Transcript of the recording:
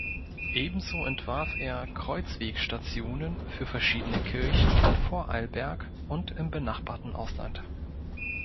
Ebenso entwarf er Kreuzwegstationen für verschiedene Kirchen in Vorarlberg und im benachbarten Ausland.